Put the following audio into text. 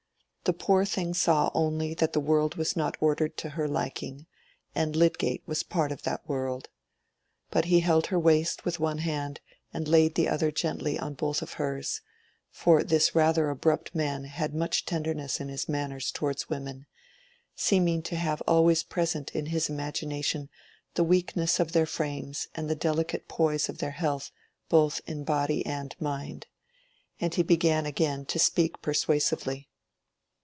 The poor thing saw only that the world was not ordered to her liking, and Lydgate was part of that world. But he held her waist with one hand and laid the other gently on both of hers; for this rather abrupt man had much tenderness in his manners towards women, seeming to have always present in his imagination the weakness of their frames and the delicate poise of their health both in body and mind. And he began again to speak persuasively.